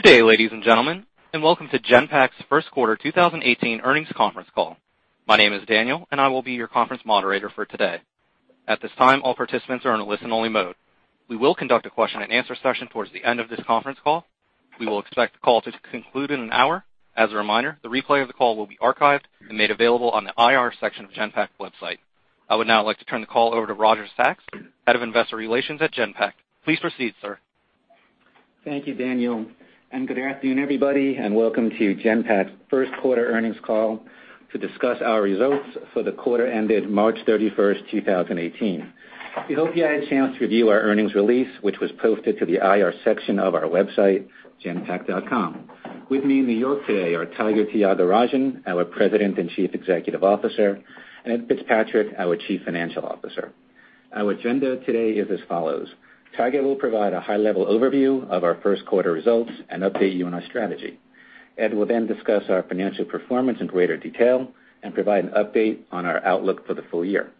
Good day, ladies and gentlemen, welcome to Genpact's first quarter 2018 earnings conference call. My name is Daniel, I will be your conference moderator for today. At this time, all participants are in a listen-only mode. We will conduct a question and answer session towards the end of this conference call. We will expect the call to conclude in an hour. As a reminder, the replay of the call will be archived and made available on the IR section of Genpact website. I would now like to turn the call over to Roger Sawhney, Head of Investor Relations at Genpact. Please proceed, sir. Thank you, Daniel, good afternoon, everybody, welcome to Genpact's first quarter earnings call to discuss our results for the quarter ended March 31st, 2018. We hope you had a chance to review our earnings release, which was posted to the IR section of our website, genpact.com. With me in New York today are Tiger Tyagarajan, our President and Chief Executive Officer, Edward Fitzpatrick, our Chief Financial Officer. Our agenda today is as follows. Tiger will provide a high-level overview of our first quarter results and update you on our strategy. Ed will then discuss our financial performance in greater detail and provide an update on our outlook for the full year.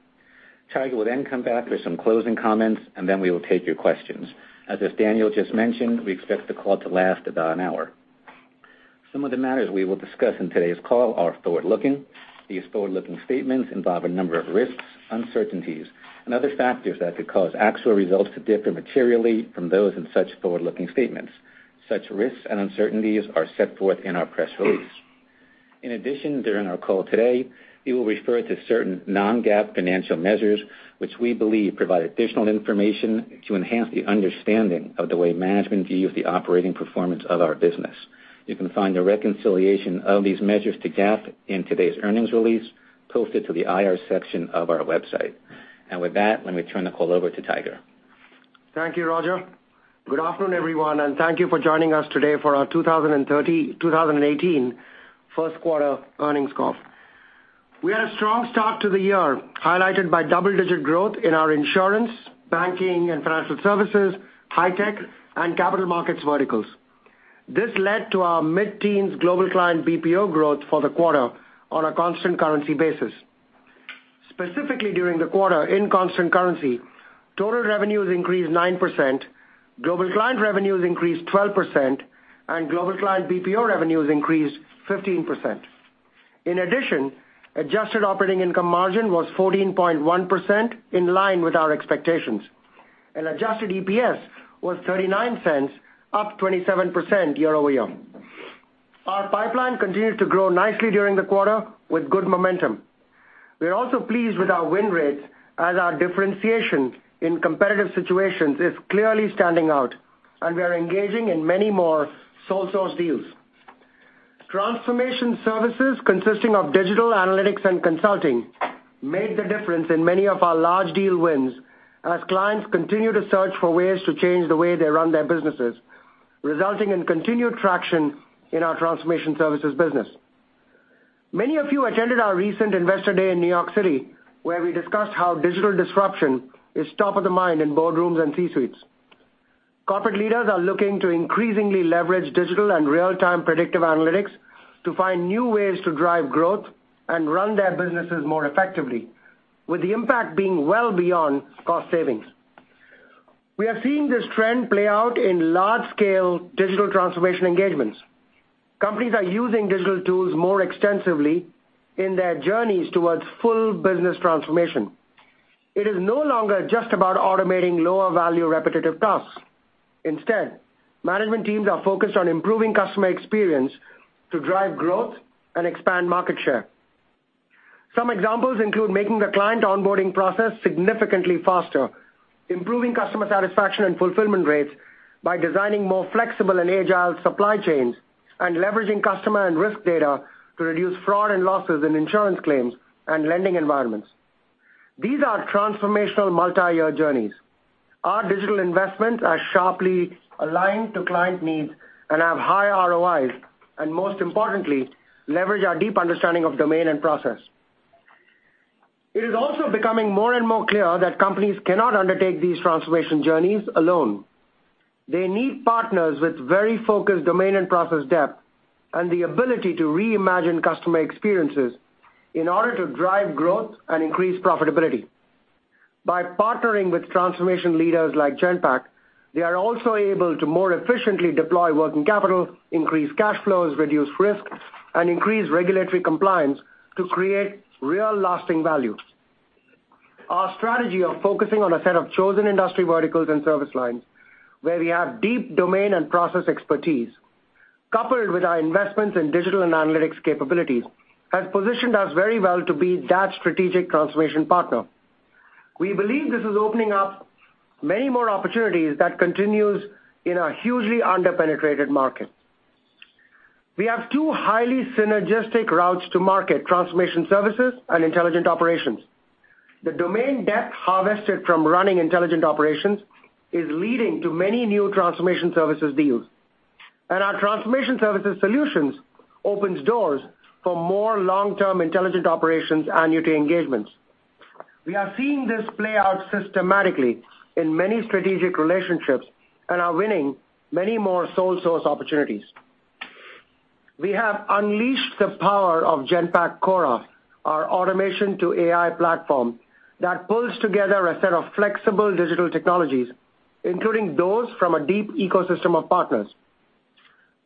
Tiger will then come back with some closing comments, we will take your questions. As Daniel just mentioned, we expect the call to last about an hour. Some of the matters we will discuss in today's call are forward-looking. These forward-looking statements involve a number of risks, uncertainties, and other factors that could cause actual results to differ materially from those in such forward-looking statements. Such risks and uncertainties are set forth in our press release. In addition, during our call today, we will refer to certain non-GAAP financial measures, which we believe provide additional information to enhance the understanding of the way management views the operating performance of our business. You can find a reconciliation of these measures to GAAP in today's earnings release posted to the IR section of our website. With that, let me turn the call over to Tiger. Thank you, Roger. Good afternoon, everyone, thank you for joining us today for our 2018 first quarter earnings call. We had a strong start to the year, highlighted by double-digit growth in our insurance, banking, and financial services, high tech, and capital markets verticals. This led to our mid-teens global client BPO growth for the quarter on a constant currency basis. Specifically during the quarter, in constant currency, total revenues increased 9%, global client revenues increased 12%, global client BPO revenues increased 15%. In addition, adjusted operating income margin was 14.1%, in line with our expectations. Adjusted EPS was $0.39, up 27% year-over-year. Our pipeline continued to grow nicely during the quarter with good momentum. We are also pleased with our win rates as our differentiation in competitive situations is clearly standing out, and we are engaging in many more sole source deals. Transformation services consisting of digital analytics and consulting made the difference in many of our large deal wins as clients continue to search for ways to change the way they run their businesses, resulting in continued traction in our transformation services business. Many of you attended our recent investor day in New York City, where we discussed how digital disruption is top of the mind in boardrooms and C-suites. Corporate leaders are looking to increasingly leverage digital and real-time predictive analytics to find new ways to drive growth and run their businesses more effectively, with the impact being well beyond cost savings. We are seeing this trend play out in large-scale digital transformation engagements. Companies are using digital tools more extensively in their journeys towards full business transformation. It is no longer just about automating lower value repetitive tasks. Management teams are focused on improving customer experience to drive growth and expand market share. Some examples include making the client onboarding process significantly faster, improving customer satisfaction and fulfillment rates by designing more flexible and agile supply chains, and leveraging customer and risk data to reduce fraud and losses in insurance claims and lending environments. These are transformational multi-year journeys. Our digital investments are sharply aligned to client needs and have high ROIs, and most importantly, leverage our deep understanding of domain and process. It is also becoming more and more clear that companies cannot undertake these transformation journeys alone. They need partners with very focused domain and process depth and the ability to reimagine customer experiences in order to drive growth and increase profitability. By partnering with transformation leaders like Genpact, they are also able to more efficiently deploy working capital, increase cash flows, reduce risk, and increase regulatory compliance to create real lasting value. Our strategy of focusing on a set of chosen industry verticals and service lines where we have deep domain and process expertise, coupled with our investments in digital and analytics capabilities, has positioned us very well to be that strategic transformation partner. We believe this is opening up many more opportunities that continues in a hugely under-penetrated market. We have two highly synergistic routes to market transformation services and intelligent operations. The domain depth harvested from running intelligent operations is leading to many new transformation services deals. Our transformation services solutions opens doors for more long-term intelligent operations and utility engagements. We are seeing this play out systematically in many strategic relationships and are winning many more sole source opportunities. We have unleashed the power of Genpact Cora, our automation to AI platform that pulls together a set of flexible digital technologies, including those from a deep ecosystem of partners.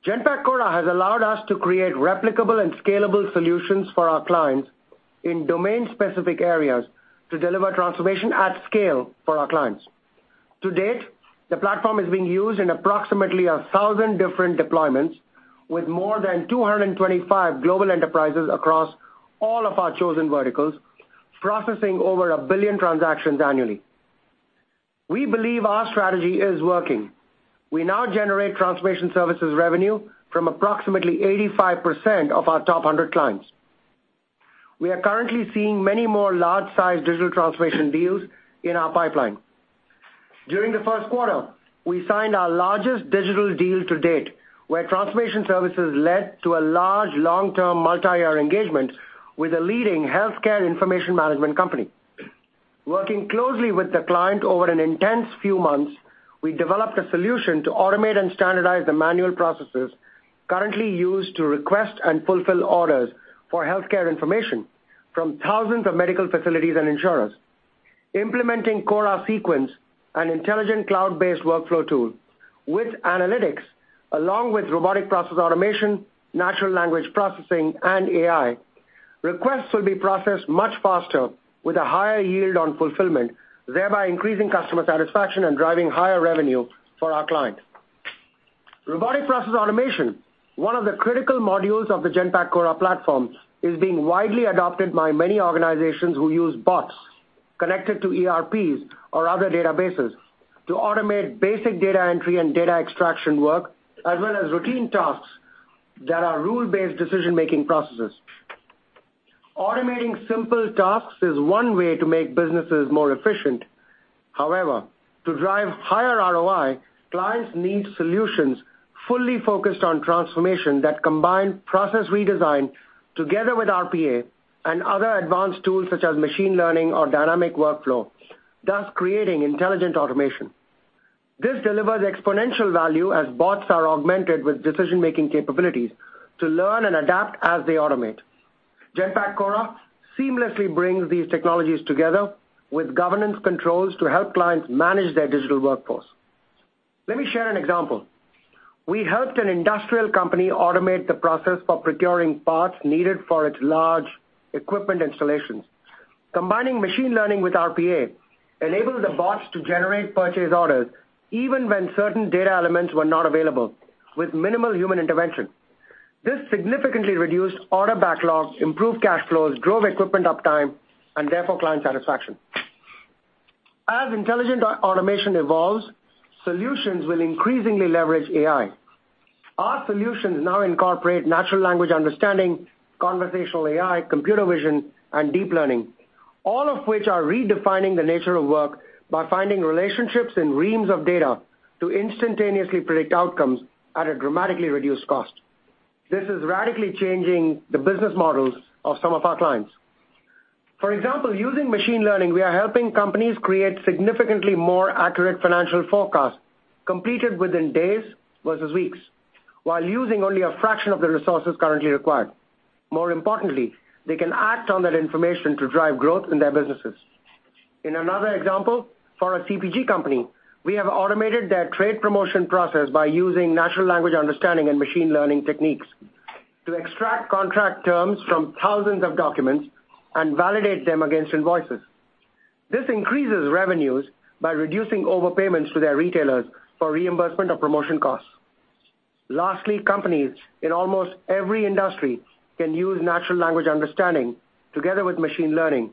Genpact Cora has allowed us to create replicable and scalable solutions for our clients in domain-specific areas to deliver transformation at scale for our clients. To date, the platform is being used in approximately 1,000 different deployments with more than 225 global enterprises across all of our chosen verticals, processing over a billion transactions annually. We believe our strategy is working. We now generate transformation services revenue from approximately 85% of our top 100 clients. We are currently seeing many more large-size digital transformation deals in our pipeline. During the first quarter, we signed our largest digital deal to date, where transformation services led to a large, long-term, multi-year engagement with a leading healthcare information management company. Working closely with the client over an intense few months, we developed a solution to automate and standardize the manual processes currently used to request and fulfill orders for healthcare information from thousands of medical facilities and insurers. Implementing Cora SeQuence, an intelligent cloud-based workflow tool with analytics, along with robotic process automation, natural language processing, and AI, requests will be processed much faster with a higher yield on fulfillment, thereby increasing customer satisfaction and driving higher revenue for our client. Robotic process automation, one of the critical modules of the Genpact Cora platform, is being widely adopted by many organizations who use bots connected to ERPs or other databases to automate basic data entry and data extraction work as well as routine tasks that are rule-based decision-making processes. Automating simple tasks is one way to make businesses more efficient. However, to drive higher ROI, clients need solutions fully focused on transformation that combine process redesign together with RPA and other advanced tools such as machine learning or dynamic workflow, thus creating intelligent automation. This delivers exponential value as bots are augmented with decision-making capabilities to learn and adapt as they automate. Genpact Cora seamlessly brings these technologies together with governance controls to help clients manage their digital workforce. Let me share an example. We helped an industrial company automate the process for procuring parts needed for its large equipment installations. Combining machine learning with RPA enabled the bots to generate purchase orders even when certain data elements were not available with minimal human intervention. This significantly reduced order backlog, improved cash flows, drove equipment uptime, and therefore client satisfaction. As intelligent automation evolves, solutions will increasingly leverage AI. Our solutions now incorporate natural language understanding, conversational AI, computer vision, and deep learning, all of which are redefining the nature of work by finding relationships in reams of data to instantaneously predict outcomes at a dramatically reduced cost. This is radically changing the business models of some of our clients. For example, using machine learning, we are helping companies create significantly more accurate financial forecasts completed within days versus weeks, while using only a fraction of the resources currently required. More importantly, they can act on that information to drive growth in their businesses. In another example, for a CPG company, we have automated their trade promotion process by using natural language understanding and machine learning techniques to extract contract terms from thousands of documents and validate them against invoices. This increases revenues by reducing overpayments to their retailers for reimbursement of promotion costs. Lastly, companies in almost every industry can use natural language understanding together with machine learning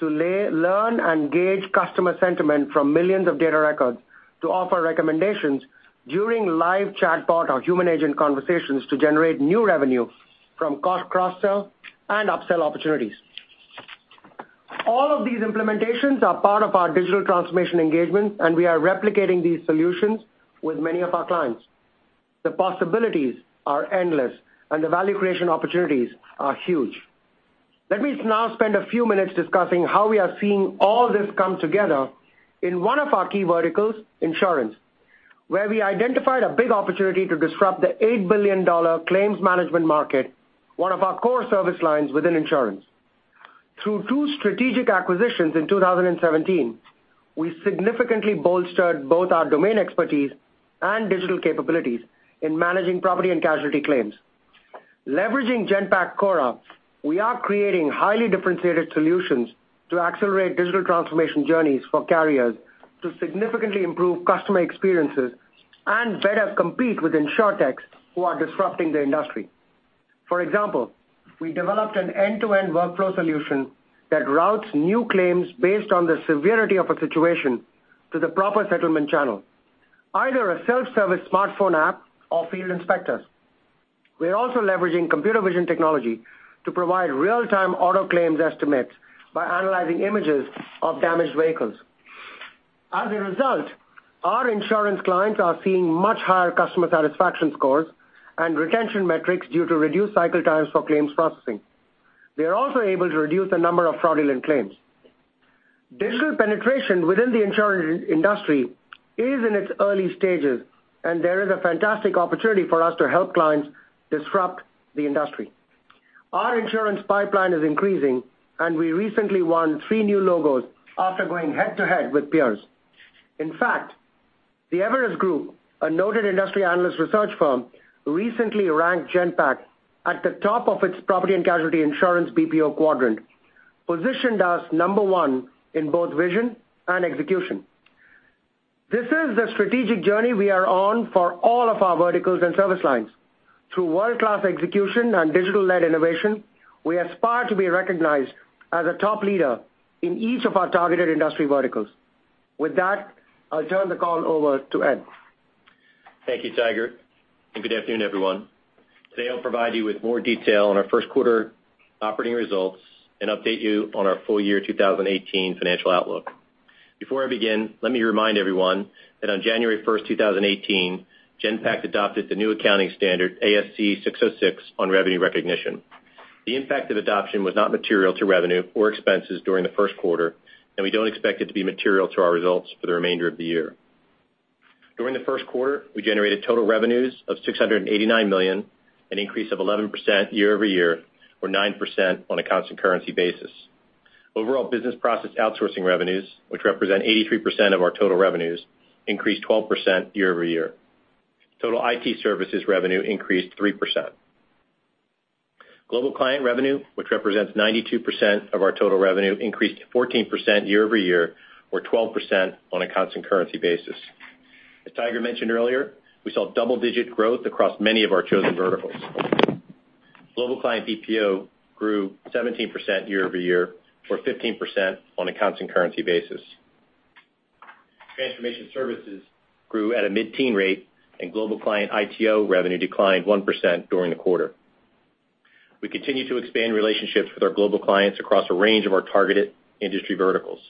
to learn and gauge customer sentiment from millions of data records to offer recommendations during live chatbot or human agent conversations to generate new revenue from cross-sell and upsell opportunities. All of these implementations are part of our digital transformation engagement, and we are replicating these solutions with many of our clients. The possibilities are endless, and the value creation opportunities are huge. Let me now spend a few minutes discussing how we are seeing all this come together in one of our key verticals, insurance, where we identified a big opportunity to disrupt the $8 billion claims management market, one of our core service lines within insurance. Through 2 strategic acquisitions in 2017, we significantly bolstered both our domain expertise and digital capabilities in managing property and casualty claims. Leveraging Genpact Cora, we are creating highly differentiated solutions to accelerate digital transformation journeys for carriers to significantly improve customer experiences and better compete with insurtechs who are disrupting the industry. For example, we developed an end-to-end workflow solution that routes new claims based on the severity of a situation to the proper settlement channel, either a self-service smartphone app or field inspectors. We are also leveraging computer vision technology to provide real-time auto claims estimates by analyzing images of damaged vehicles. As a result, our insurance clients are seeing much higher customer satisfaction scores and retention metrics due to reduced cycle times for claims processing. We are also able to reduce the number of fraudulent claims. Digital penetration within the insurance industry is in its early stages, and there is a fantastic opportunity for us to help clients disrupt the industry. Our insurance pipeline is increasing, and we recently won 3 new logos after going head-to-head with peers. In fact, the Everest Group, a noted industry analyst research firm, recently ranked Genpact at the top of its property and casualty insurance BPO quadrant, positioned us number 1 in both vision and execution. This is the strategic journey we are on for all of our verticals and service lines. Through world-class execution and digital-led innovation, we aspire to be recognized as a top leader in each of our targeted industry verticals. With that, I'll turn the call over to Ed. Thank you, Tiger, and good afternoon, everyone. Today, I'll provide you with more detail on our first quarter operating results and update you on our full year 2018 financial outlook. Before I begin, let me remind everyone that on January 1st, 2018, Genpact adopted the new accounting standard ASC 606 on revenue recognition. The impact of adoption was not material to revenue or expenses during the first quarter, and we don't expect it to be material to our results for the remainder of the year. During the first quarter, we generated total revenues of $689 million, an increase of 11% year-over-year, or 9% on a constant currency basis. Overall business process outsourcing revenues, which represent 83% of our total revenues, increased 12% year-over-year. Total IT services revenue increased 3%. Global client revenue, which represents 92% of our total revenue, increased 14% year-over-year, or 12% on a constant currency basis. As Tiger mentioned earlier, we saw double-digit growth across many of our chosen verticals. Global client BPO grew 17% year-over-year, or 15% on a constant currency basis. Transformation services grew at a mid-teen rate, and global client ITO revenue declined 1% during the quarter. We continue to expand relationships with our global clients across a range of our targeted industry verticals.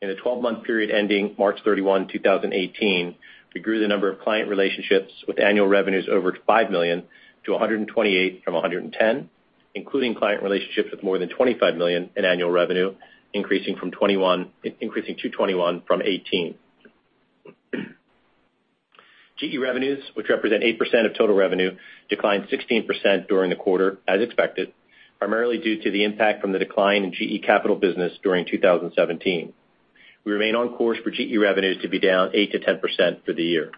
In the 12-month period ending March 31, 2018, we grew the number of client relationships with annual revenues over $5 million to 128 from 110, including client relationships with more than $25 million in annual revenue, increasing to 21 from 18. GE revenues, which represent 8% of total revenue, declined 16% during the quarter as expected, primarily due to the impact from the decline in GE Capital business during 2017. We remain on course for GE revenues to be down 8%-10% for the year.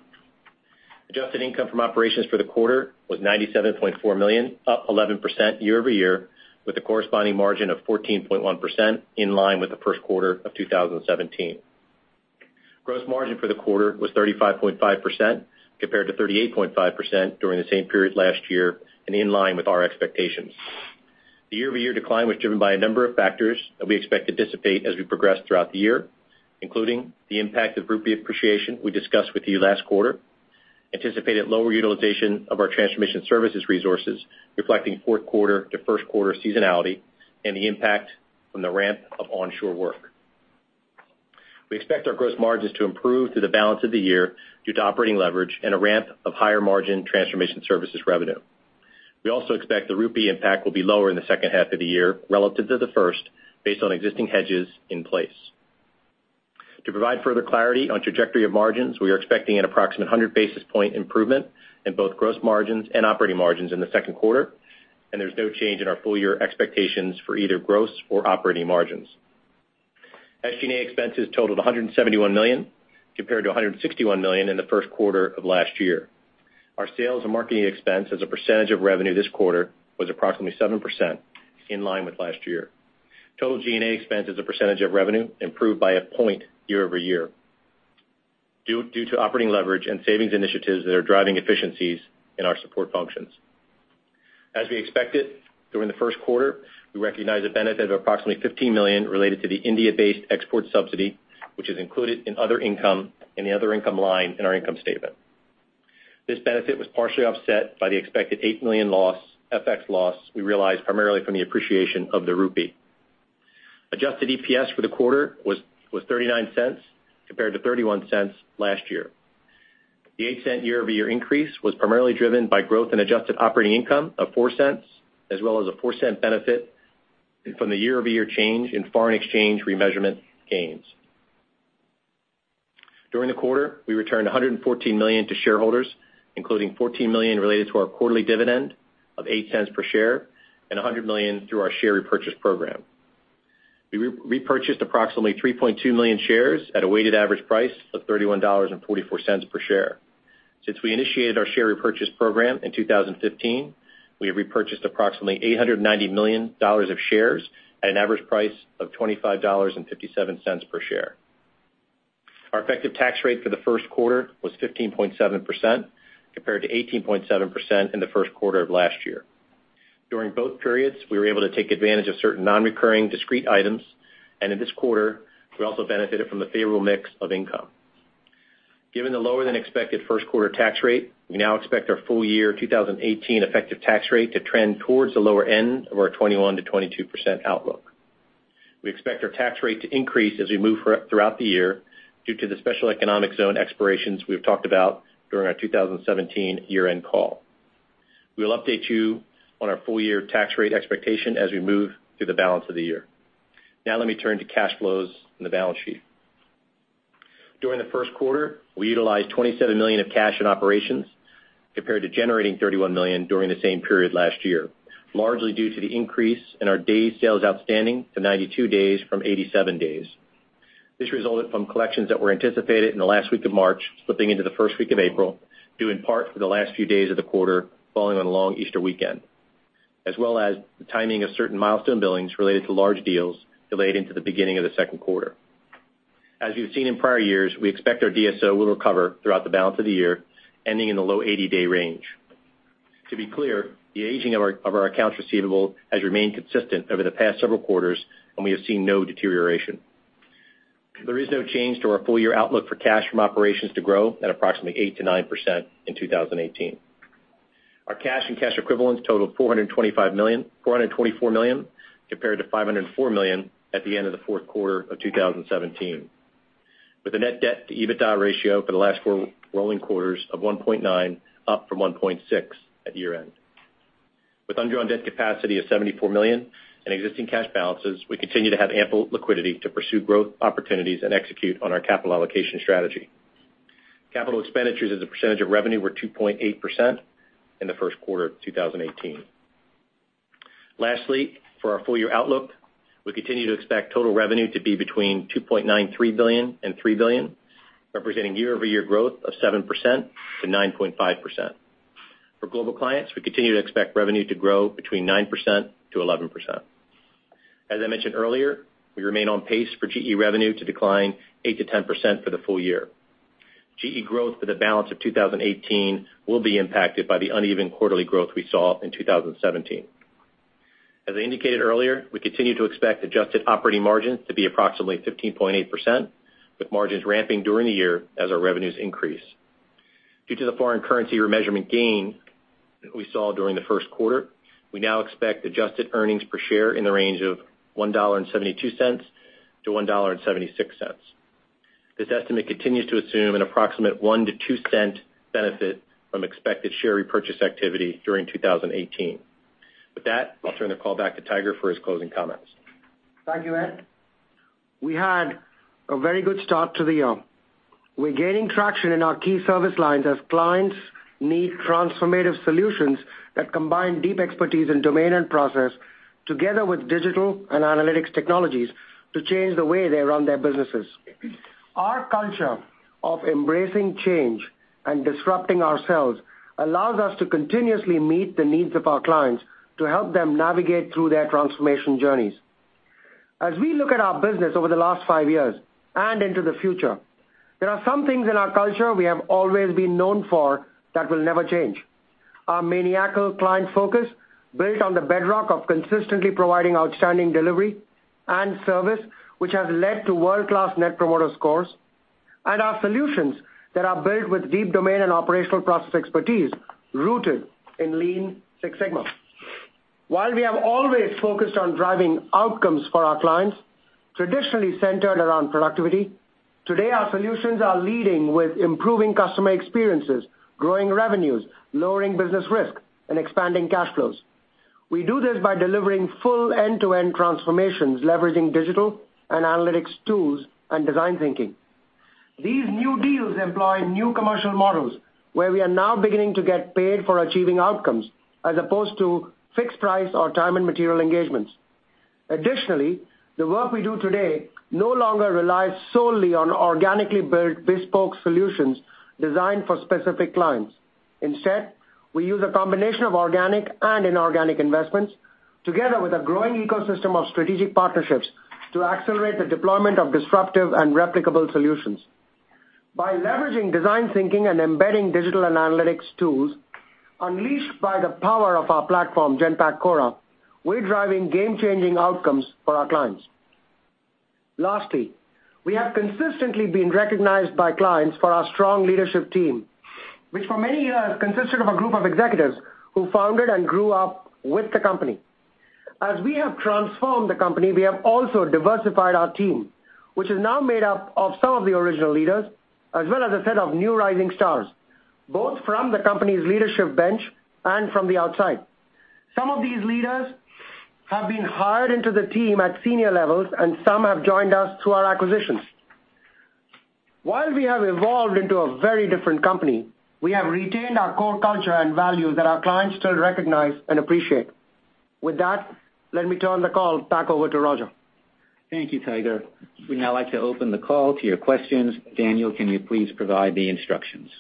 Adjusted income from operations for the quarter was $97.4 million, up 11% year-over-year, with a corresponding margin of 14.1% in line with the first quarter of 2017. Gross margin for the quarter was 35.5% compared to 38.5% during the same period last year and in line with our expectations. The year-over-year decline was driven by a number of factors that we expect to dissipate as we progress throughout the year, including the impact of rupee appreciation we discussed with you last quarter, anticipated lower utilization of our transformation services resources, reflecting fourth quarter to first quarter seasonality, and the impact from the ramp of onshore work. We expect our gross margins to improve through the balance of the year due to operating leverage and a ramp of higher margin transformation services revenue. We also expect the rupee impact will be lower in the second half of the year relative to the first based on existing hedges in place. To provide further clarity on trajectory of margins, we are expecting an approximate 100-basis-point improvement in both gross margins and operating margins in the second quarter, and there's no change in our full year expectations for either gross or operating margins. SG&A expenses totaled $171 million compared to $161 million in the first quarter of last year. Our sales and marketing expense as a percentage of revenue this quarter was approximately 7%, in line with last year. Total G&A expense as a percentage of revenue improved by a point year-over-year due to operating leverage and savings initiatives that are driving efficiencies in our support functions. As we expected, during the first quarter, we recognized a benefit of approximately $15 million related to the India-based export subsidy, which is included in other income, in the other income line in our income statement. This benefit was partially offset by the expected $8 million FX loss we realized primarily from the appreciation of the INR. Adjusted EPS for the quarter was $0.39 compared to $0.31 last year. The $0.08 year-over-year increase was primarily driven by growth in adjusted operating income of $0.04, as well as a $0.04 benefit from the year-over-year change in foreign exchange remeasurement gains. During the quarter, we returned $114 million to shareholders, including $14 million related to our quarterly dividend of $0.08 per share and $100 million through our share repurchase program. We repurchased approximately 3.2 million shares at a weighted average price of $31.44 per share. Since we initiated our share repurchase program in 2015, we have repurchased approximately $890 million of shares at an average price of $25.57 per share. Our effective tax rate for the first quarter was 15.7% compared to 18.7% in the first quarter of last year. During both periods, we were able to take advantage of certain non-recurring discrete items, and in this quarter, we also benefited from the favorable mix of income. Given the lower-than-expected first quarter tax rate, we now expect our full-year 2018 effective tax rate to trend towards the lower end of our 21%-22% outlook. We expect our tax rate to increase as we move throughout the year due to the special economic zone expirations we've talked about during our 2017 year-end call. We will update you on our full-year tax rate expectation as we move through the balance of the year. Now let me turn to cash flows and the balance sheet. During the first quarter, we utilized $27 million of cash in operations, compared to generating $31 million during the same period last year, largely due to the increase in our days sales outstanding to 92 days from 87 days. This resulted from collections that were anticipated in the last week of March, slipping into the first week of April, due in part for the last few days of the quarter falling on a long Easter weekend, as well as the timing of certain milestone billings related to large deals delayed into the beginning of the second quarter. As you've seen in prior years, we expect our DSO will recover throughout the balance of the year, ending in the low 80-day range. To be clear, the aging of our accounts receivable has remained consistent over the past several quarters, and we have seen no deterioration. There is no change to our full-year outlook for cash from operations to grow at approximately 8%-9% in 2018. Our cash and cash equivalents total $424 million, compared to $504 million at the end of the fourth quarter of 2017, with a net debt to EBITDA ratio for the last four rolling quarters of 1.9, up from 1.6 at year-end. With undrawn debt capacity of $74 million and existing cash balances, we continue to have ample liquidity to pursue growth opportunities and execute on our capital allocation strategy. Capital expenditures as a percentage of revenue were 2.8% in the first quarter of 2018. Lastly, for our full-year outlook, we continue to expect total revenue to be between $2.93 billion and $3 billion, representing year-over-year growth of 7%-9.5%. For Global Clients, we continue to expect revenue to grow between 9%-11%. As I mentioned earlier, we remain on pace for GE revenue to decline 8%-10% for the full year. GE growth for the balance of 2018 will be impacted by the uneven quarterly growth we saw in 2017. As I indicated earlier, we continue to expect adjusted operating margins to be approximately 15.8%, with margins ramping during the year as our revenues increase. Due to the foreign currency remeasurement gain that we saw during the first quarter, we now expect adjusted earnings per share in the range of $1.72-$1.76. This estimate continues to assume an approximate $0.01-$0.02 benefit from expected share repurchase activity during 2018. With that, I'll turn the call back to Tiger for his closing comments. Thank you, Ed. We had a very good start to the year. We're gaining traction in our key service lines as clients need transformative solutions that combine deep expertise in domain and process together with digital and analytics technologies to change the way they run their businesses. Our culture of embracing change and disrupting ourselves allows us to continuously meet the needs of our clients to help them navigate through their transformation journeys. As we look at our business over the last five years and into the future, there are some things in our culture we have always been known for that will never change. Our maniacal client focus, built on the bedrock of consistently providing outstanding delivery and service, which has led to world-class Net Promoter Score, and our solutions that are built with deep domain and operational process expertise rooted in Lean Six Sigma. While we have always focused on driving outcomes for our clients, traditionally centered around productivity, today our solutions are leading with improving customer experiences, growing revenues, lowering business risk, and expanding cash flows. We do this by delivering full end-to-end transformations, leveraging digital and analytics tools and design thinking. These new deals employ new commercial models, where we are now beginning to get paid for achieving outcomes as opposed to fixed price or time and material engagements. Additionally, the work we do today no longer relies solely on organically built bespoke solutions designed for specific clients. Instead, we use a combination of organic and inorganic investments together with a growing ecosystem of strategic partnerships to accelerate the deployment of disruptive and replicable solutions. By leveraging design thinking and embedding digital and analytics tools, unleashed by the power of our platform, Genpact Cora, we're driving game-changing outcomes for our clients. Lastly, we have consistently been recognized by clients for our strong leadership team, which for many years consisted of a group of executives who founded and grew up with the company. As we have transformed the company, we have also diversified our team, which is now made up of some of the original leaders, as well as a set of new rising stars, both from the company's leadership bench and from the outside. Some of these leaders have been hired into the team at senior levels, and some have joined us through our acquisitions. While we have evolved into a very different company, we have retained our core culture and values that our clients still recognize and appreciate. With that, let me turn the call back over to Roger. Thank you, Tiger. We would now like to open the call to your questions. Daniel, can you please provide the instructions?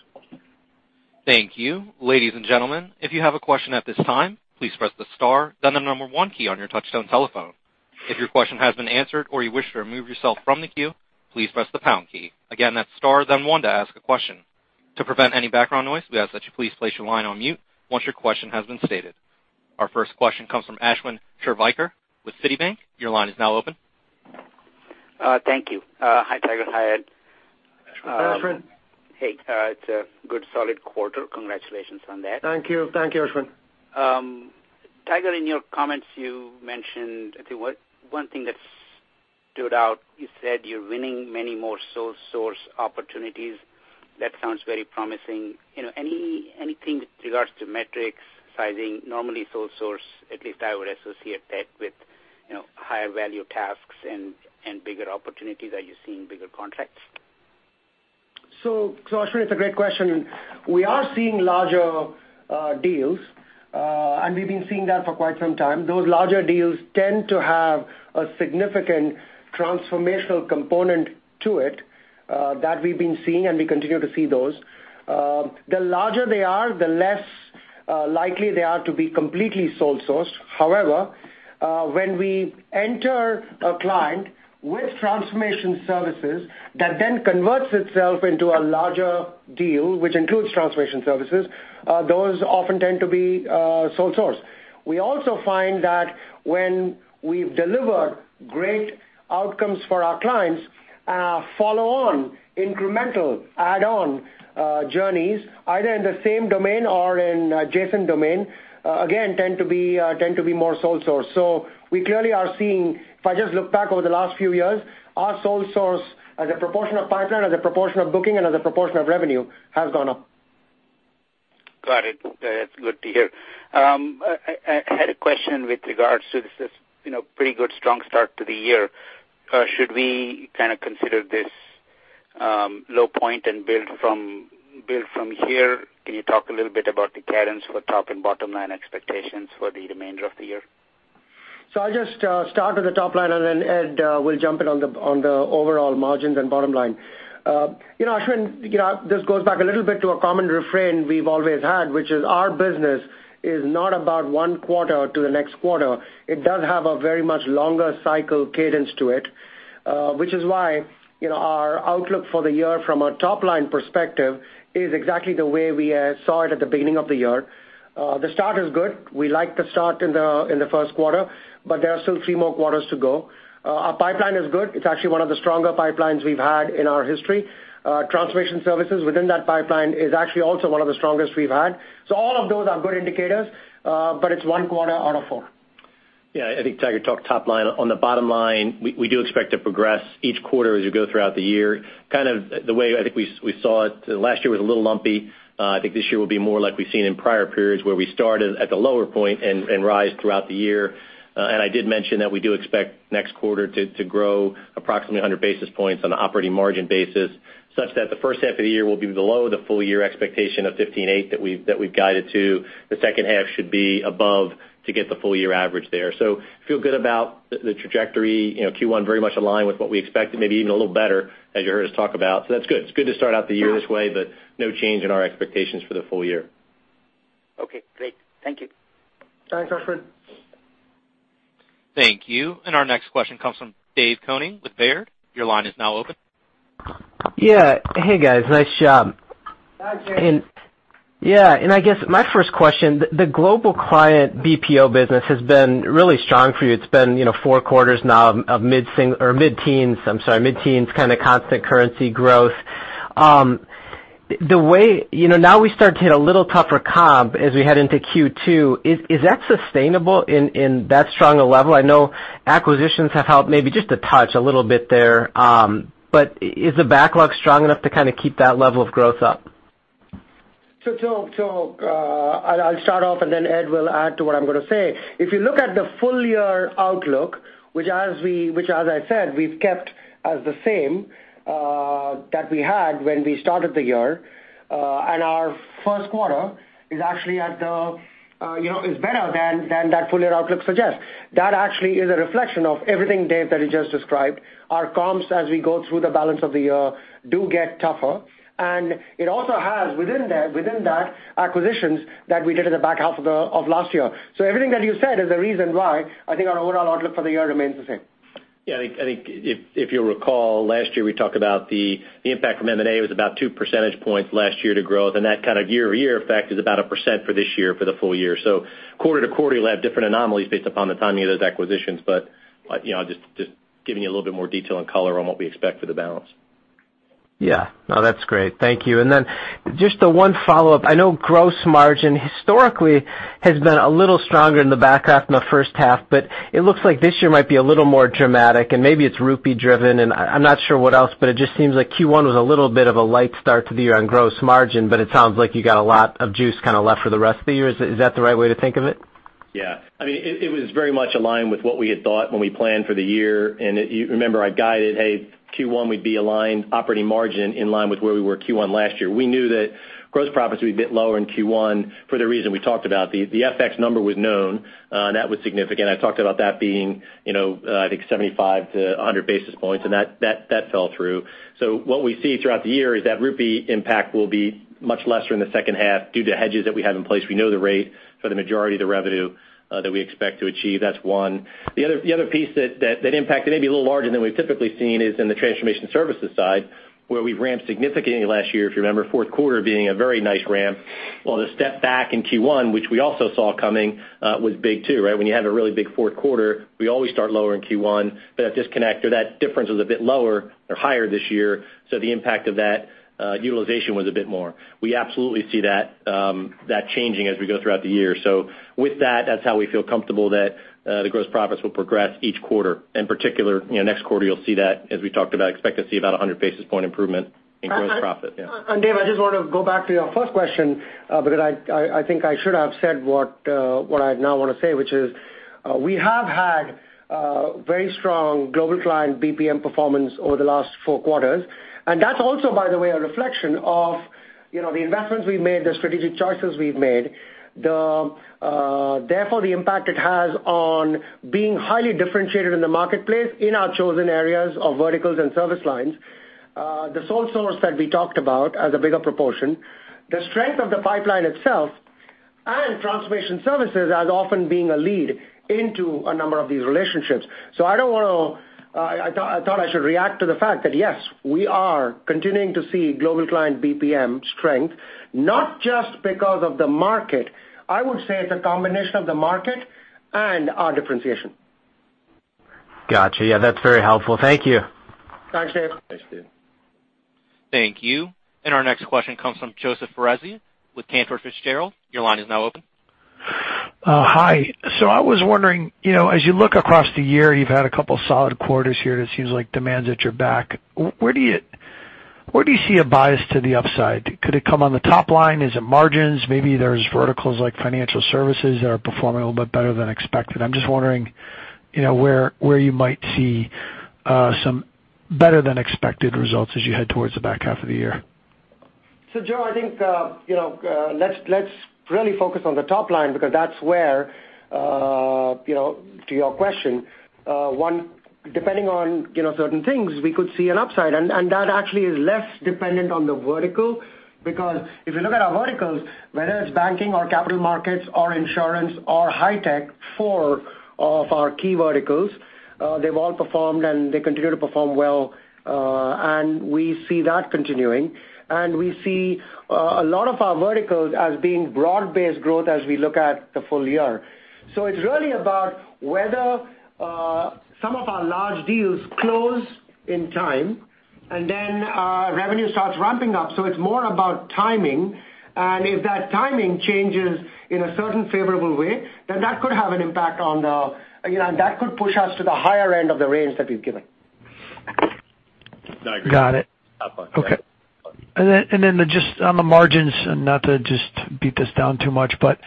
Thank you. Ladies and gentlemen, if you have a question at this time, please press the star, then the number 1 key on your touchtone telephone. If your question has been answered or you wish to remove yourself from the queue, please press the pound key. Again, that is star then 1 to ask a question. To prevent any background noise, we ask that you please place your line on mute once your question has been stated. Our first question comes from Ashwin Shirvaikar with Citi. Your line is now open. Thank you. Hi, Tiger. Hi, Ed. Ashwin. Ashwin. Hey. It is a good, solid quarter. Congratulations on that. Thank you. Thank you, Ashwin. Tiger, in your comments, you mentioned, I think one thing that stood out. You said you're winning many more sole source opportunities. That sounds very promising. Anything with regards to metrics, sizing? Normally sole source, at least I would associate that with higher value tasks and bigger opportunities. Are you seeing bigger contracts? Ashwin, it's a great question. We are seeing larger deals, and we've been seeing that for quite some time. Those larger deals tend to have a significant transformational component to it that we've been seeing, and we continue to see those. The larger they are, the less likely they are to be completely sole sourced. However, when we enter a client with transformation services that then converts itself into a larger deal, which includes transformation services, those often tend to be sole source. We also find that when we've delivered great outcomes for our clients, follow-on incremental add-on journeys, either in the same domain or in adjacent domain, again, tend to be more sole source. We clearly are seeing, if I just look back over the last few years, our sole source as a proportion of pipeline, as a proportion of booking, and as a proportion of revenue, has gone up. Got it. That's good to hear. I had a question with regards to this pretty good strong start to the year. Should we consider this low point and build from here? Can you talk a little bit about the cadence for top and bottom line expectations for the remainder of the year? I'll just start with the top line and then Ed will jump in on the overall margins and bottom line. Ashwin, this goes back a little bit to a common refrain we've always had, which is our business is not about one quarter to the next quarter. It does have a very much longer cycle cadence to it, which is why our outlook for the year from a top-line perspective is exactly the way we saw it at the beginning of the year. The start is good. We like the start in the first quarter, but there are still three more quarters to go. Our pipeline is good. It's actually one of the stronger pipelines we've had in our history. Transformation services within that pipeline is actually also one of the strongest we've had. All of those are good indicators, but it's one quarter out of four. Yeah, I think Tiger talked top line. On the bottom line, we do expect to progress each quarter as we go throughout the year. Kind of the way I think we saw it, last year was a little lumpy. I think this year will be more like we've seen in prior periods, where we start at the lower point and rise throughout the year. I did mention that we do expect next quarter to grow approximately 100 basis points on an operating margin basis, such that the first half of the year will be below the full year expectation of 15.8 that we've guided to. The second half should be above to get the full year average there. Feel good about the trajectory. Q1 very much in line with what we expected, maybe even a little better, as you heard us talk about. That's good. It's good to start out the year this way, no change in our expectations for the full year. Okay, great. Thank you. Thanks, Ashwin. Thank you. Our next question comes from David Koning with Baird. Your line is now open. Yeah. Hey, guys. Nice job. Hi, Dave. I guess my first question, the global client BPO business has been really strong for you. It's been four quarters now of mid-teens, I'm sorry, mid-teens kind of constant currency growth. Now we start to hit a little tougher comp as we head into Q2. Is that sustainable in that strong a level? I know acquisitions have helped maybe just a touch a little bit there. Is the backlog strong enough to keep that level of growth up? I'll start off Ed will add to what I'm going to say. If you look at the full year outlook, which as I said, we've kept as the same that we had when we started the year, Our first quarter is better than that full year outlook suggests. That actually is a reflection of everything, Dave, that you just described. Our comps, as we go through the balance of the year, do get tougher. It also has within that, acquisitions that we did in the back half of last year. Everything that you said is the reason why I think our overall outlook for the year remains the same. Yeah, I think if you'll recall, last year, we talked about the impact from M&A was about two percentage points last year to growth, and that kind of year-over-year effect is about 1% for this year for the full year. Quarter to quarter, you'll have different anomalies based upon the timing of those acquisitions. Just giving you a little bit more detail and color on what we expect for the balance. Yeah. No, that's great. Thank you. Just the one follow-up. I know gross margin historically has been a little stronger in the back half than the first half, but it looks like this year might be a little more dramatic and maybe it's INR-driven and I'm not sure what else, but it just seems like Q1 was a little bit of a light start to the year on gross margin, but it sounds like you got a lot of juice left for the rest of the year. Is that the right way to think of it? Yeah. It was very much aligned with what we had thought when we planned for the year. If you remember, I guided, hey, Q1 we'd be aligned, operating margin in line with where we were Q1 last year. We knew that gross profits would be a bit lower in Q1 for the reason we talked about. The FX number was known, and that was significant. I talked about that being, I think 75 to 100 basis points, and that fell through. What we see throughout the year is that INR impact will be much lesser in the second half due to hedges that we have in place. We know the rate for the majority of the revenue that we expect to achieve. That's one. The other piece that impacted maybe a little larger than we've typically seen is in the transformation services side, where we've ramped significantly last year, if you remember, fourth quarter being a very nice ramp. The step back in Q1, which we also saw coming, was big too, right? When you have a really big fourth quarter, we always start lower in Q1, but that disconnect or that difference was a bit lower or higher this year, so the impact of that utilization was a bit more. We absolutely see that changing as we go throughout the year. With that's how we feel comfortable that the gross profits will progress each quarter. In particular, next quarter you'll see that, as we talked about, expect to see about 100 basis point improvement in gross profit. Yeah. Dave, I just want to go back to your first question, because I think I should have said what I now want to say, which is We have had very strong global client BPM performance over the last four quarters, and that's also, by the way, a reflection of the investments we've made, the strategic choices we've made. Therefore, the impact it has on being highly differentiated in the marketplace in our chosen areas of verticals and service lines. The sole source that we talked about as a bigger proportion, the strength of the pipeline itself and transformation services as often being a lead into a number of these relationships. I thought I should react to the fact that, yes, we are continuing to see global client BPM strength, not just because of the market. I would say it's a combination of the market and our differentiation. Got you. Yeah, that's very helpful. Thank you. Thanks, Dave. Thanks, Dave. Thank you. Our next question comes from Joseph Foresi with Cantor Fitzgerald. Your line is now open. Hi. I was wondering, as you look across the year, you've had a couple solid quarters here, and it seems like demand's at your back. Where do you see a bias to the upside? Could it come on the top line? Is it margins? Maybe there's verticals like financial services that are performing a little bit better than expected. I'm just wondering where you might see some better than expected results as you head towards the back half of the year. Joe, I think let's really focus on the top line, because that's where, to your question, depending on certain things, we could see an upside. That actually is less dependent on the vertical. If you look at our verticals, whether it's banking or capital markets or insurance or high tech, four of our key verticals, they've all performed and they continue to perform well. We see that continuing, and we see a lot of our verticals as being broad-based growth as we look at the full year. It's really about whether some of our large deals close in time, and then revenue starts ramping up. It's more about timing, and if that timing changes in a certain favorable way, then that could push us to the higher end of the range that we've given. Got it. Okay. Then just on the margins, and not to just beat this down too much, but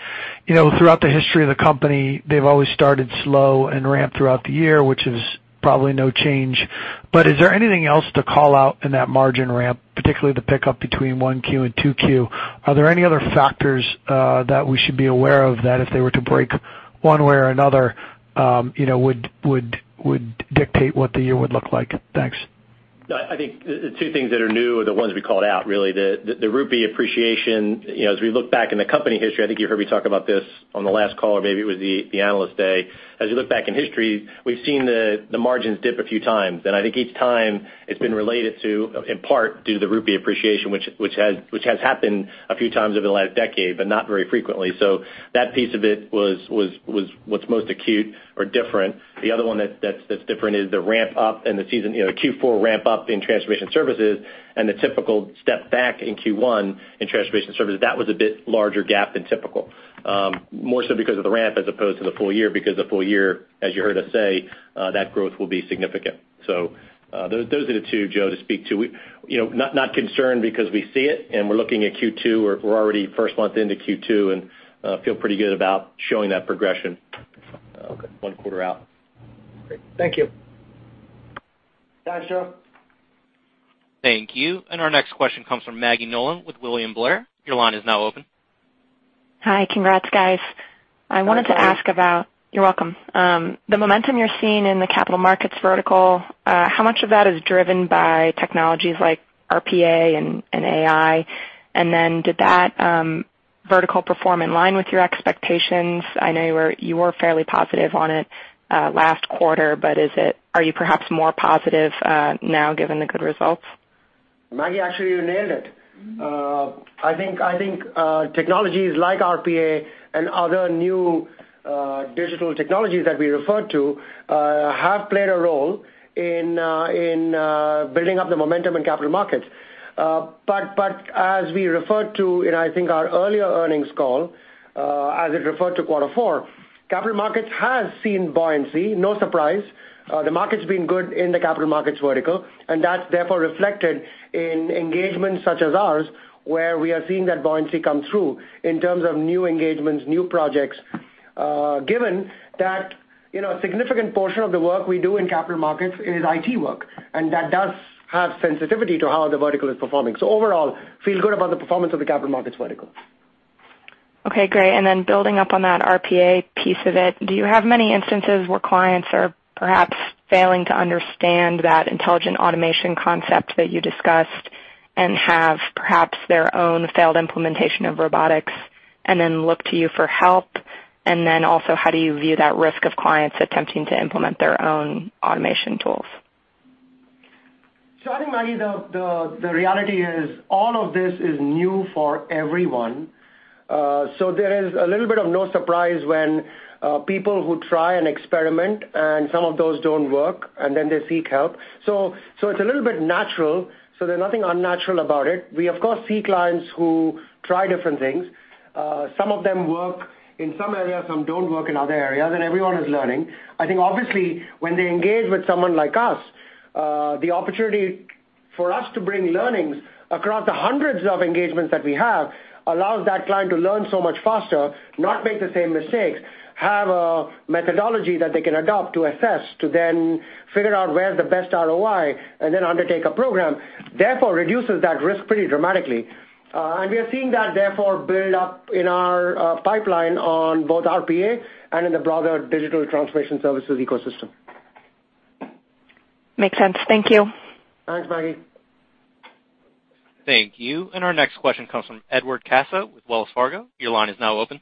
throughout the history of the company, they've always started slow and ramped throughout the year, which is probably no change. Is there anything else to call out in that margin ramp, particularly the pickup between 1Q and 2Q? Are there any other factors that we should be aware of that if they were to break one way or another would dictate what the year would look like? Thanks. I think the two things that are new are the ones we called out, really. The rupee appreciation. As we look back in the company history, I think you heard me talk about this on the last call, or maybe it was the analyst day. As we look back in history, we've seen the margins dip a few times, and I think each time it's been related to, in part, due to the rupee appreciation, which has happened a few times over the last decade, but not very frequently. That piece of it was what's most acute or different. The other one that's different is the Q4 ramp-up in transformation services and the typical step back in Q1 in transformation services. That was a bit larger gap than typical. More so because of the ramp as opposed to the full year, because the full year, as you heard us say, that growth will be significant. Those are the 2, Joe, to speak to. Not concerned because we see it, and we're looking at Q2. We're already first month into Q2, and feel pretty good about showing that progression 1 quarter out. Great. Thank you. Thanks, Joe. Thank you. Our next question comes from Maggie Nolan with William Blair. Your line is now open. Hi. Congrats, guys. Thanks, Maggie. You're welcome. The momentum you're seeing in the capital markets vertical, how much of that is driven by technologies like RPA and AI? Then did that vertical perform in line with your expectations? I know you were fairly positive on it last quarter, but are you perhaps more positive now given the good results? Maggie, actually, you nailed it. I think technologies like RPA and other new digital technologies that we refer to have played a role in building up the momentum in capital markets. As we referred to in, I think our earlier earnings call, as it referred to quarter four, capital markets has seen buoyancy. No surprise. The market's been good in the capital markets vertical, and that's therefore reflected in engagements such as ours, where we are seeing that buoyancy come through in terms of new engagements, new projects. Given that a significant portion of the work we do in capital markets is IT work, and that does have sensitivity to how the vertical is performing. Overall, feel good about the performance of the capital markets vertical. Okay, great. Building up on that RPA piece of it, do you have many instances where clients are perhaps failing to understand that intelligent automation concept that you discussed and have perhaps their own failed implementation of robotics and then look to you for help? Also, how do you view that risk of clients attempting to implement their own automation tools? I think, Maggie, the reality is all of this is new for everyone. There is a little bit of no surprise when people who try and experiment and some of those don't work, and then they seek help. It's a little bit natural, so there's nothing unnatural about it. We, of course, see clients who try different things. Some of them work in some areas, some don't work in other areas, and everyone is learning. I think obviously, when they engage with someone like us, the opportunity for us to bring learnings across the hundreds of engagements that we have allows that client to learn so much faster, not make the same mistakes, have a methodology that they can adopt to assess, to then figure out where's the best ROI, and then undertake a program, therefore reduces that risk pretty dramatically. We are seeing that therefore build up in our pipeline on both RPA and in the broader digital transformation services ecosystem. Makes sense. Thank you. Thanks, Maggie. Thank you. Our next question comes from Edward Caso with Wells Fargo. Your line is now open.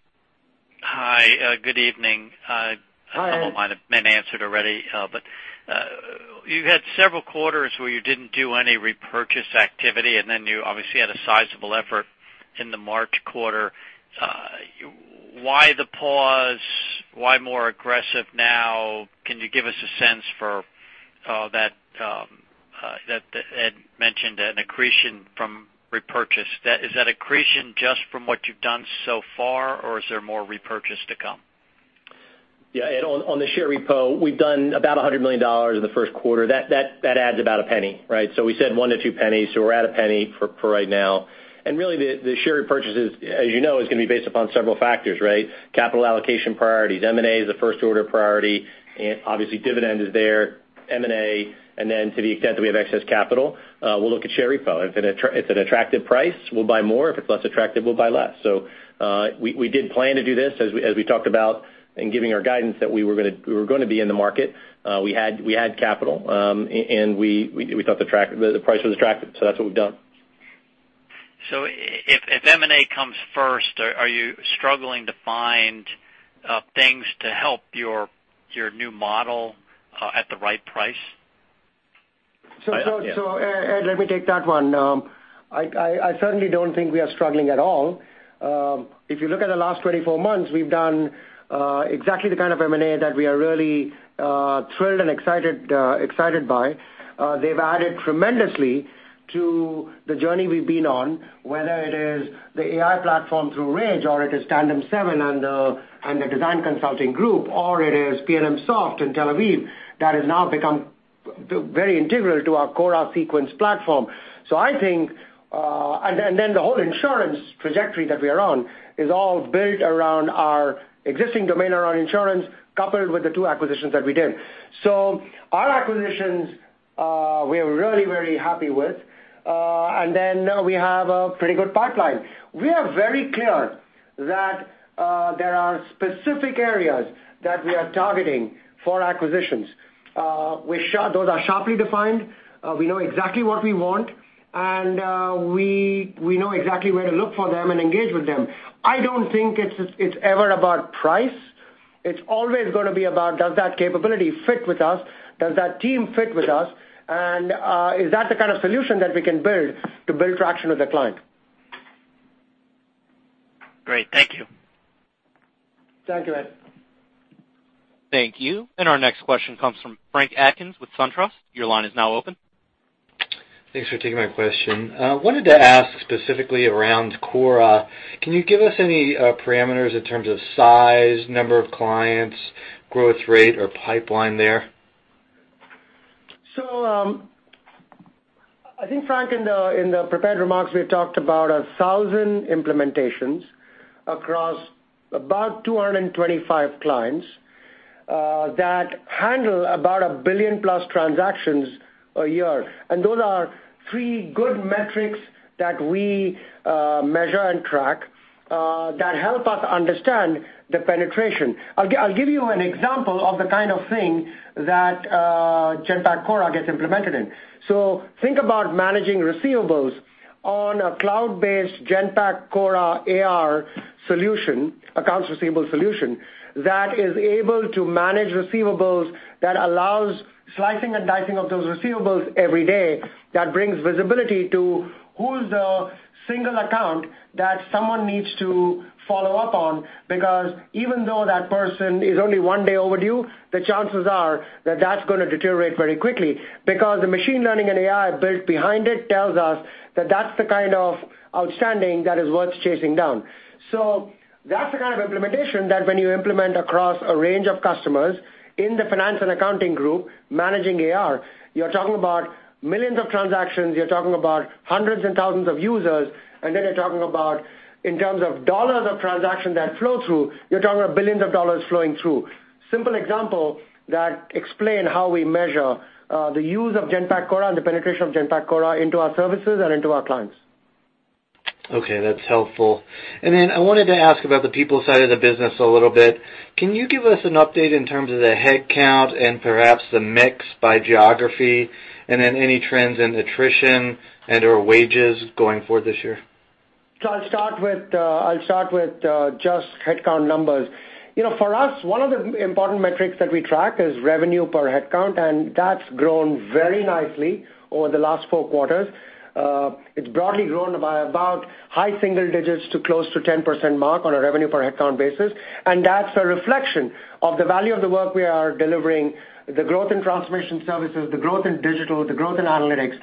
Hi, good evening. Hi. Some of mine have been answered already. You had several quarters where you didn't do any repurchase activity, and then you obviously had a sizable effort in the March quarter. Why the pause? Why more aggressive now? Can you give us a sense for that, Ed mentioned an accretion from repurchase. Is that accretion just from what you've done so far, or is there more repurchase to come? Yeah, Ed, on the share repo, we've done about $100 million in the first quarter. That adds about a penny, right? We said one to two pennies, we're at a penny for right now. Really the share repurchases, as you know, is going to be based upon several factors, right? Capital allocation priorities. M&A is a first order priority. Obviously dividend is there, M&A, and then to the extent that we have excess capital, we'll look at share repo. If it's an attractive price, we'll buy more. If it's less attractive, we'll buy less. We did plan to do this as we talked about in giving our guidance that we were going to be in the market. We had capital, and we thought the price was attractive, that's what we've done. If M&A comes first, are you struggling to find things to help your new model at the right price? Ed, let me take that one. I certainly don't think we are struggling at all. If you look at the last 24 months, we've done exactly the kind of M&A that we are really thrilled and excited by. They've added tremendously to the journey we've been on, whether it is the AI platform through Rage Frameworks, or it is TandemSeven and the Design Consulting Group, or it is PNMsoft in Tel Aviv, that has now become very integral to our Cora SeQuence platform. The whole insurance trajectory that we are on is all built around our existing domain around insurance, coupled with the two acquisitions that we did. Our acquisitions, we are really very happy with. We have a pretty good pipeline. We are very clear that there are specific areas that we are targeting for acquisitions. Those are sharply defined. We know exactly what we want, we know exactly where to look for them and engage with them. I don't think it's ever about price. It's always going to be about does that capability fit with us? Does that team fit with us? Is that the kind of solution that we can build to build traction with the client? Great. Thank you. Thank you, Ed. Thank you. Our next question comes from Frank Atkins with SunTrust. Your line is now open. Thanks for taking my question. I wanted to ask specifically around Cora. Can you give us any parameters in terms of size, number of clients, growth rate, or pipeline there? I think, Frank, in the prepared remarks, we talked about 1,000 implementations across about 225 clients, that handle about a billion-plus transactions a year. Those are three good metrics that we measure and track, that help us understand the penetration. I'll give you an example of the kind of thing that Genpact Cora gets implemented in. Think about managing receivables on a cloud-based Genpact Cora AR solution, accounts receivable solution, that is able to manage receivables, that allows slicing and dicing of those receivables every day. That brings visibility to who's the single account that someone needs to follow up on, because even though that person is only one day overdue, the chances are that that's going to deteriorate very quickly because the machine learning and AI built behind it tells us that that's the kind of outstanding that is worth chasing down. That's the kind of implementation that when you implement across a range of customers in the finance and accounting group managing AR, you're talking about millions of transactions, you're talking about hundreds and thousands of users, you're talking about in terms of dollars of transaction that flow through, you're talking about billions of dollars flowing through. Simple example that explain how we measure the use of Genpact Cora and the penetration of Genpact Cora into our services and into our clients. Okay, that's helpful. I wanted to ask about the people side of the business a little bit. Can you give us an update in terms of the headcount and perhaps the mix by geography, and then any trends in attrition and/or wages going forward this year? I'll start with just headcount numbers. For us, one of the important metrics that we track is revenue per headcount, and that's grown very nicely over the last four quarters. It's broadly grown by about high single digits to close to 10% mark on a revenue per headcount basis. That's a reflection of the value of the work we are delivering, the growth in transformation services, the growth in digital, the growth in analytics.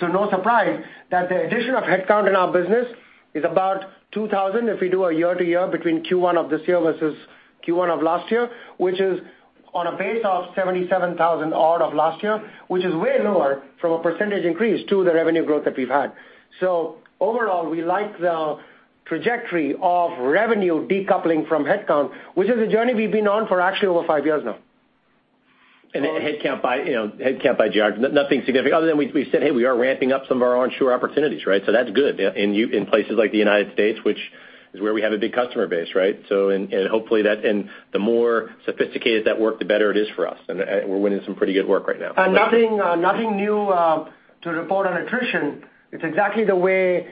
No surprise that the addition of headcount in our business is about 2,000 if we do a year-over-year between Q1 of this year versus Q1 of last year, which is on a base of 77,000 odd of last year, which is way lower from a percentage increase to the revenue growth that we've had. Overall, we like the trajectory of revenue decoupling from headcount, which is a journey we've been on for actually over five years now. Headcount by GR, nothing significant other than we said, "Hey, we are ramping up some of our onshore opportunities." Right? That's good. In places like the U.S., which is where we have a big customer base. Right? The more sophisticated that work, the better it is for us, and we're winning some pretty good work right now. Nothing new to report on attrition. It's exactly the way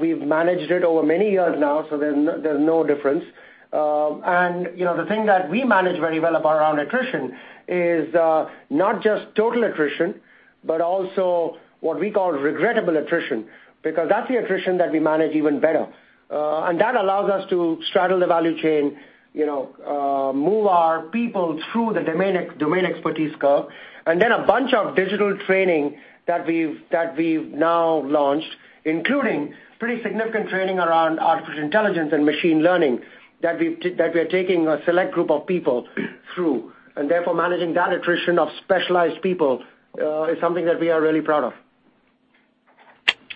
we've managed it over many years now, so there's no difference. The thing that we manage very well about our own attrition is, not just total attrition, but also what we call regrettable attrition, because that's the attrition that we manage even better. That allows us to straddle the value chain, move our people through the domain expertise curve, and then a bunch of digital training that we've now launched, including pretty significant training around artificial intelligence and machine learning that we are taking a select group of people through. Therefore, managing that attrition of specialized people, is something that we are really proud of.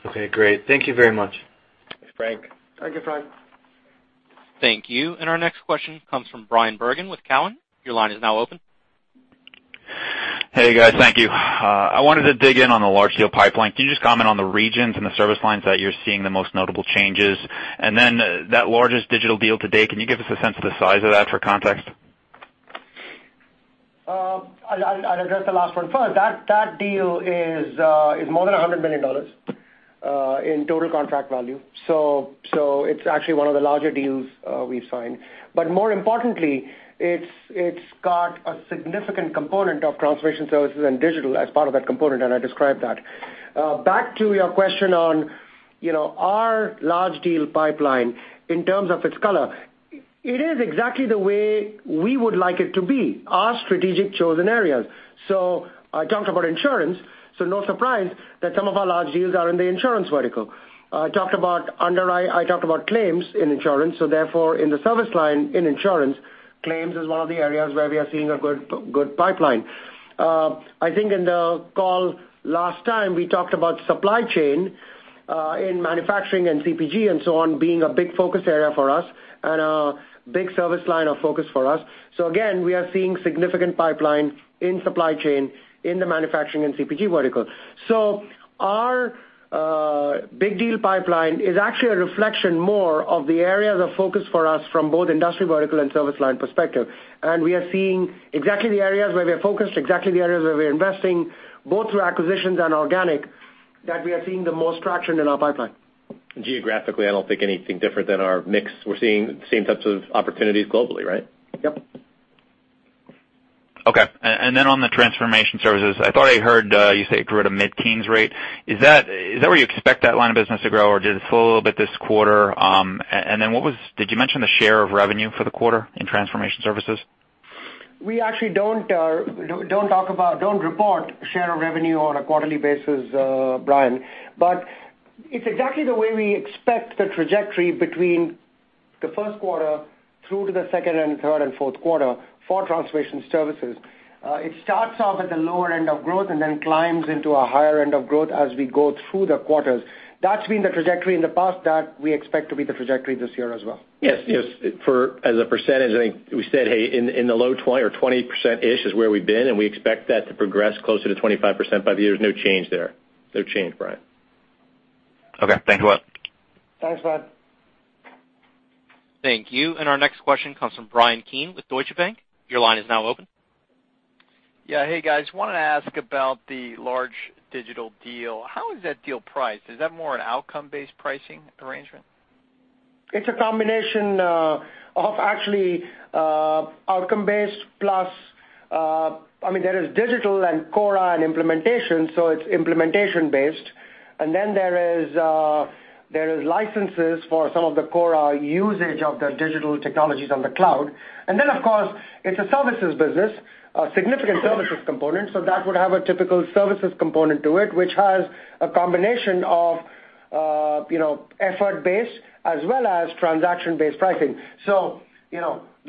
Okay, great. Thank you very much. Thanks, Frank. Thank you, Frank. Thank you. Our next question comes from Bryan Bergin with Cowen. Your line is now open. Hey, guys. Thank you. I wanted to dig in on the large deal pipeline. Can you just comment on the regions and the service lines that you're seeing the most notable changes? Then that largest digital deal to date, can you give us a sense of the size of that for context? I'll address the last one first. That deal is more than $100 million in total contract value. It's actually one of the larger deals we've signed. More importantly, it's got a significant component of transformation services and digital as part of that component, and I described that. Back to your question on our large deal pipeline in terms of its color. It is exactly the way we would like it to be, our strategic chosen areas. I talked about insurance, so no surprise that some of our large deals are in the insurance vertical. I talked about claims in insurance, so therefore, in the service line in insurance, claims is one of the areas where we are seeing a good pipeline. I think in the call last time, we talked about supply chain, in manufacturing and CPG and so on, being a big focus area for us and a big service line of focus for us. Again, we are seeing significant pipeline in supply chain in the manufacturing and CPG vertical. Our big deal pipeline is actually a reflection more of the areas of focus for us from both industry vertical and service line perspective. We are seeing exactly the areas where we're focused, exactly the areas where we're investing, both through acquisitions and organic, that we are seeing the most traction in our pipeline. Geographically, I don't think anything different than our mix. We're seeing same types of opportunities globally, right? Yep. Okay. On the transformation services, I thought I heard you say it grew at a mid-teens rate. Is that where you expect that line of business to grow, or did it slow a little bit this quarter? Did you mention the share of revenue for the quarter in transformation services? We actually don't report share of revenue on a quarterly basis, Bryan. It's exactly the way we expect the trajectory between the first quarter through to the second and third and fourth quarter for transformation services. It starts off at the lower end of growth and then climbs into a higher end of growth as we go through the quarters. That's been the trajectory in the past. That we expect to be the trajectory this year as well. Yes. As a percentage, I think we said, "Hey, in the low 20 or 20%-ish is where we've been, and we expect that to progress closer to 25% by the year." There's no change there. No change, Bryan. Okay, thanks a lot. Thanks, Bryan. Thank you. Our next question comes from Bryan Keane with Deutsche Bank. Your line is now open. Yeah. Hey, guys. Wanted to ask about the large digital deal. How is that deal priced? Is that more an outcome-based pricing arrangement? It's a combination of actually, outcome-based plus I mean, there is digital and Cora and implementation, so it's implementation based. Then there is licenses for some of the Cora usage of the digital technologies on the cloud. Then, of course, it's a services business, a significant services component. That would have a typical services component to it, which has a combination of effort based as well as transaction based pricing.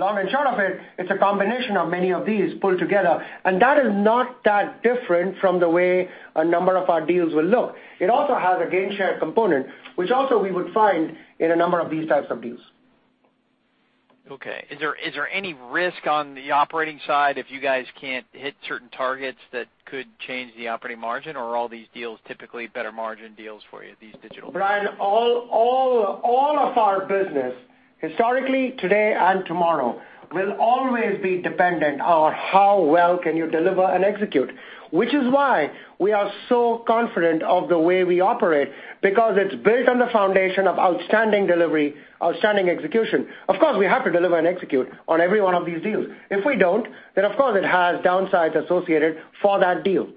Long and short of it's a combination of many of these pulled together, and that is not that different from the way a number of our deals will look. It also has a gain share component, which also we would find in a number of these types of deals. Okay. Is there any risk on the operating side if you guys can't hit certain targets that could change the operating margin, or are all these deals typically better margin deals for you, these digital? Bryan, all of our business, historically, today and tomorrow, will always be dependent on how well can you deliver and execute. Which is why we are so confident of the way we operate, because it's built on the foundation of outstanding delivery, outstanding execution. Of course, we have to deliver and execute on every one of these deals. If we don't, then of course it has downsides associated for that deal.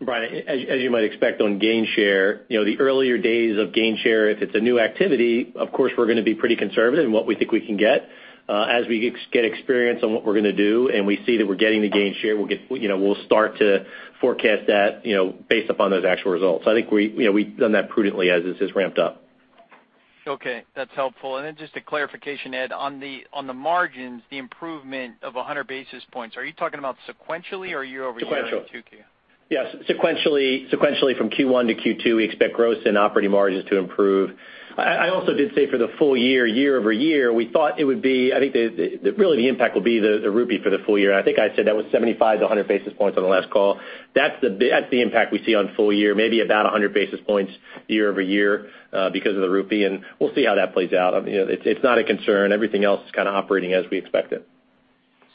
Bryan, as you might expect on gain share, the earlier days of gain share, if it's a new activity, of course, we're going to be pretty conservative in what we think we can get. As we get experience on what we're going to do and we see that we're getting the gain share, we'll start to forecast that based upon those actual results. I think we've done that prudently as this has ramped up. Okay, that's helpful. Then just a clarification, Ed, on the margins, the improvement of 100 basis points, are you talking about sequentially or year-over-year in 2Q? Sequentially. Yes, sequentially from Q1 to Q2, we expect gross and operating margins to improve. I also did say for the full year-over-year, we thought it would be, I think really the impact will be the rupee for the full year. I think I said that was 75-100 basis points on the last call. That's the impact we see on full year, maybe about 100 basis points year-over-year, because of the rupee. We'll see how that plays out. It's not a concern. Everything else is kind of operating as we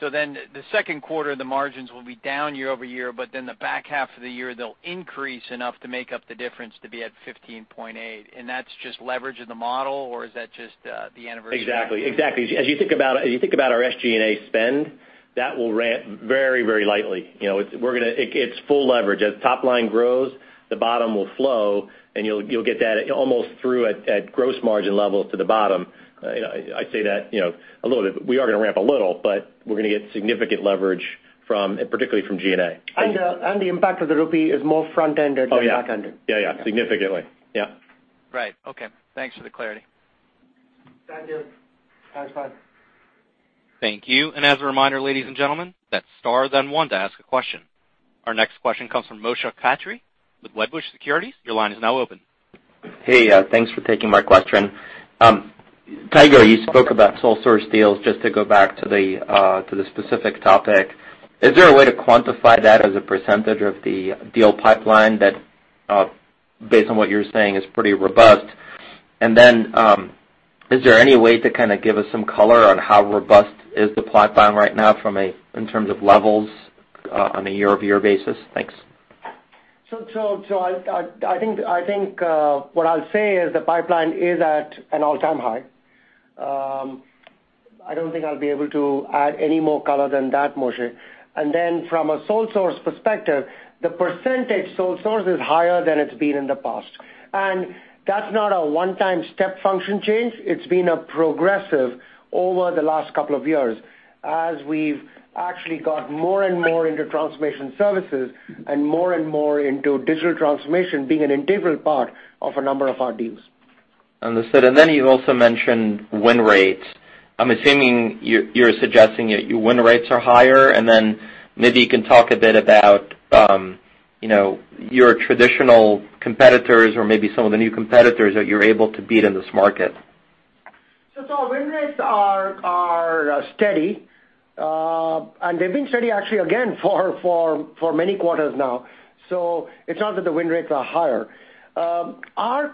expected. The second quarter, the margins will be down year-over-year, the back half of the year, they'll increase enough to make up the difference to be at 15.8%. That's just leverage of the model or is that just the anniversary? Exactly. As you think about our SG&A spend, that will ramp very lightly. It's full leverage. As top line grows, the bottom will flow, and you'll get that almost through at gross margin levels to the bottom. I say that a little bit. We are going to ramp a little, but we're going to get significant leverage, particularly from G&A. The impact of the rupee is more front-ended. Oh, yeah than back-ended. Yeah. Significantly. Yeah. Right. Okay. Thanks for the clarity. Thank you. That's fine. Thank you. As a reminder, ladies and gentlemen, that is star then one to ask a question. Our next question comes from Moshe Katri with Wedbush Securities. Your line is now open. Hey, thanks for taking my question. Tiger, you spoke about sole source deals, just to go back to the specific topic. Is there a way to quantify that as a % of the deal pipeline that, based on what you're saying, is pretty robust? Is there any way to kind of give us some color on how robust is the pipeline right now in terms of levels on a year-over-year basis? Thanks. I think what I'll say is the pipeline is at an all-time high. I don't think I'll be able to add any more color than that, Moshe. From a sole source perspective, the % sole source is higher than it's been in the past. That's not a one-time step function change. It's been progressive over the last couple of years as we've actually got more and more into transformation services and more and more into digital transformation being an integral part of a number of our deals. Understood. You also mentioned win rates. I'm assuming you're suggesting your win rates are higher, maybe you can talk a bit about your traditional competitors or maybe some of the new competitors that you're able to beat in this market. Win rates are steady. They've been steady actually again for many quarters now. It's not that the win rates are higher. The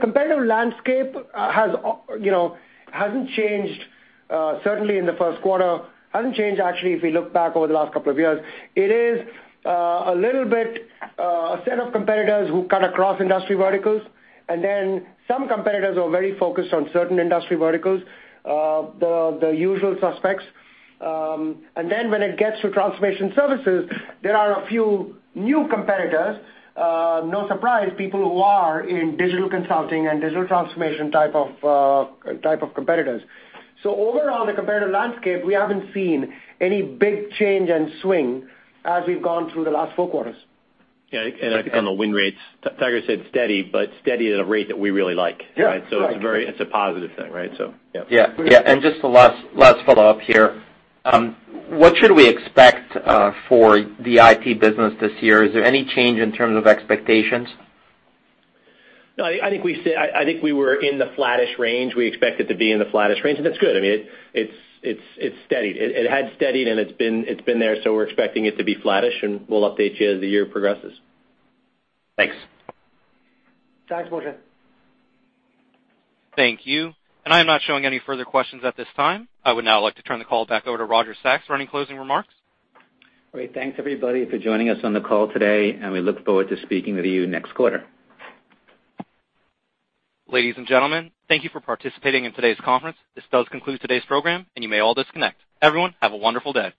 competitive landscape hasn't changed certainly in the first quarter, hasn't changed actually if we look back over the last couple of years. It is a little bit a set of competitors who cut across industry verticals, and then some competitors who are very focused on certain industry verticals, the usual suspects. When it gets to transformation services, there are a few new competitors, no surprise, people who are in digital consulting and digital transformation type of competitors. Overall, the competitive landscape, we haven't seen any big change and swing as we've gone through the last four quarters. On the win rates, Tiger said steady, but steady at a rate that we really like. Yeah. It's a positive thing, right? Yeah. Yeah. Just the last follow-up here. What should we expect for the IP business this year? Is there any change in terms of expectations? No, I think we were in the flattish range. We expect it to be in the flattish range, and that's good. It's steady. It had steadied, and it's been there, so we're expecting it to be flattish, and we'll update you as the year progresses. Thanks. Thanks, Moshe. Thank you. I am not showing any further questions at this time. I would now like to turn the call back over to Roger Sawhney for any closing remarks. Great. Thanks, everybody, for joining us on the call today, and we look forward to speaking with you next quarter. Ladies and gentlemen, thank you for participating in today's conference. This does conclude today's program, and you may all disconnect. Everyone, have a wonderful day.